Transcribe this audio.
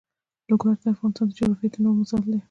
لوگر د افغانستان د جغرافیوي تنوع مثال دی.